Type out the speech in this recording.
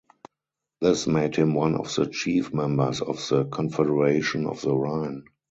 This made him one of the chief members of the Confederation of the Rhine.